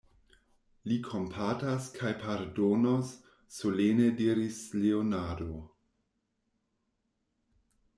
Li kompatas kaj pardonos, solene diris Leonardo.